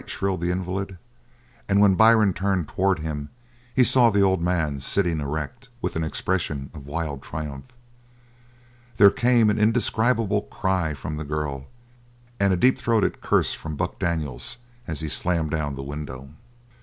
shrilled the invalid, and when Byrne turned towards him, he saw the old man sitting erect, with an expression of wild triumph. There came an indescribable cry from the girl, and a deep throated curse from Buck Daniels as he slammed down the window.